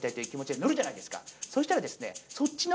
そしたらですね。